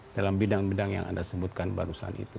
dalam bidang bidang yang anda sebutkan barusan itu